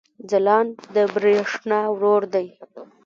ځلاند د برېښنا ورور دی